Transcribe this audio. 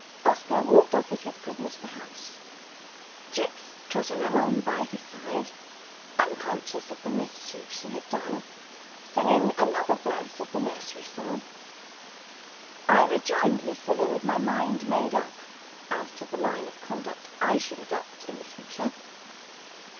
Oscar walked off with his prisoner to the house. Jicks trotted along by his side, unconscious of the mischief she had done, singing another verse of the nursery song. I rejoined Lucilla, with my mind made up as to the line of conduct I should adopt in the future.